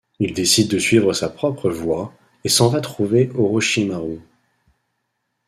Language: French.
Il décide de suivre sa propre voie et s'en va trouver Orochimaru.